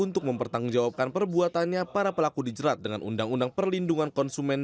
untuk mempertanggungjawabkan perbuatannya para pelaku dijerat dengan undang undang perlindungan konsumen